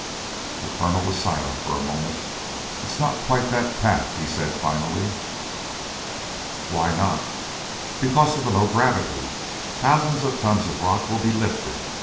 The Colonel was silent for a moment. "It's not quite that pat," he said finally. "Why not?" "Because of the low gravity. Thousands of tons of rock will be lifted.